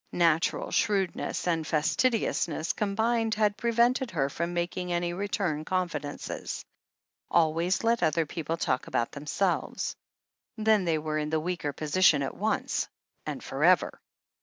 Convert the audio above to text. Natural shrewdness and fastidi ousness combined had prevented her from making any return confidences. "Always let the other people talk about themselves." Then they were in the weaker posi tion at once and for ever.